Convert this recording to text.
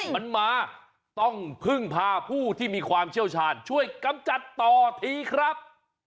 มันมาต้องพึ่งพาผู้ที่มีความเชี่ยวชาญช่วยกำจัดต่อทีครับ